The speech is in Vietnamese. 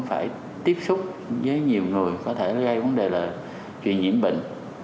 phải tiếp xúc với nhiều người có thể gây vấn đề là truyền nhiễm bệnh